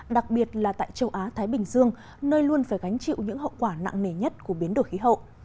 đặc biệt là tại châu á thái bình dương nơi luôn phải gánh chịu những hậu quả nặng nề nhất của biến đổi khí hậu